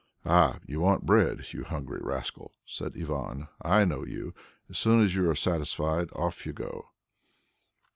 "Ah, you want bread, you hungry rascal," said Ivan. "I know you; as soon as you are satisfied, off you go."